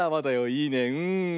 いいねうん。